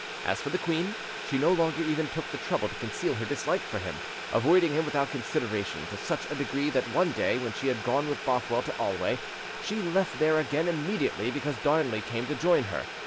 As for the queen, she no longer even took the trouble to conceal her dislike for him, avoiding him without consideration, to such a degree that one day when she had gone with Bothwell to Alway, she left there again immediately, because Darnley came to join her.